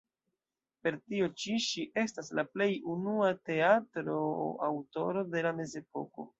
Per tio ĉi ŝi estas la plej unua teatro-aŭtoro de la Mezepoko.